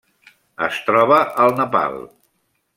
Es troba al Nepal.